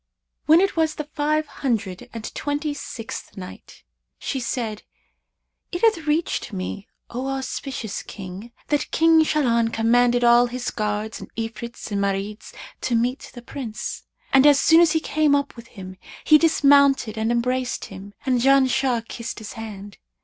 When it was the Five Hundred and Twenty sixth Night, She said, It hath reached me, O auspicious King, that "King Shahlan commanded all his guards and Ifrits and Marids to meet the Prince; and, as soon as he came up with him, he dismounted and embraced him, and Janshah kissed his hand.